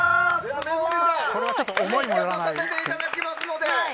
返却させていただきますので。